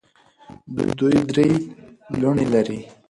دوی درې لوڼې لري.